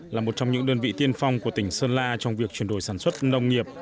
là một trong những đơn vị tiên phong của tỉnh sơn la trong việc chuyển đổi sản xuất nông nghiệp